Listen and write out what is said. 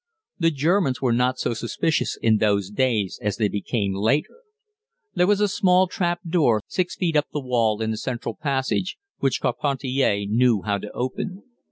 The Germans were not so suspicious in those days as they became later. There was a small trap door 6 feet up the wall in the central passage, which Carpentier knew how to open.